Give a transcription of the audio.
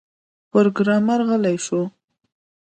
پروګرامر غلی شو